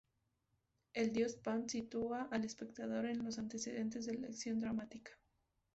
El dios Pan, sitúa al espectador en los antecedentes de la acción dramática.